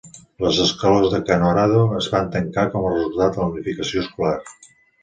Les escoles de Kanorado es van tancar com a resultat de la unificació escolar.